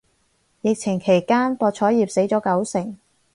疫情期間博彩業死咗九成